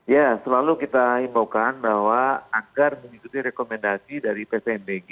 ya selalu kita himbaukan bahwa agar mengikuti rekomendasi dari pvmbg